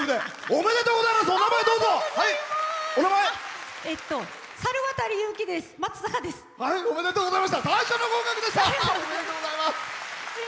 おめでとうございます。